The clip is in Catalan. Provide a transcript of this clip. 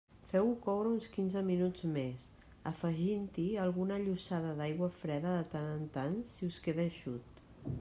Feu-ho coure uns quinze minuts més, afegint-hi alguna llossada d'aigua freda de tant en tant si us queda eixut.